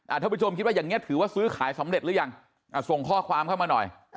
ท่านผู้ชมคิดว่าอย่างนี้ถือว่าซื้อขายสำเร็จหรือยังส่งข้อความเข้ามาหน่อย